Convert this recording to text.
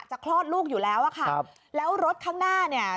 คลอดลูกอยู่แล้วอ่ะค่ะครับแล้วรถข้างหน้าเนี่ย